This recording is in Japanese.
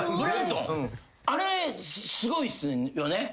あれすごいっすよね？